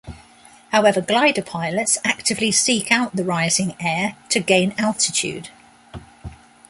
However, glider pilots actively seek out the rising air to gain altitude.